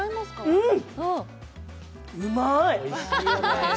うん！